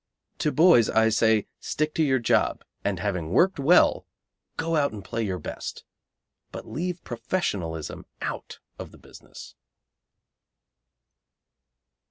To boys I say stick to your job, and having worked well go and play your best. But leave professionalism out of the business.